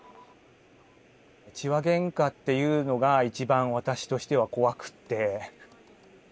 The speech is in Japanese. ☎痴話げんかっていうのが一番私としては怖くって。